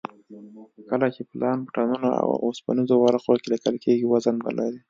کله چې پلان په ټنونو اوسپنیزو ورقو کې لیکل کېږي وزن به لري